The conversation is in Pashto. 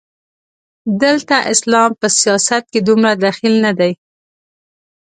دلته اسلام په سیاست کې دومره دخیل نه دی.